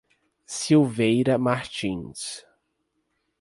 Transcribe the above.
Silveira Martins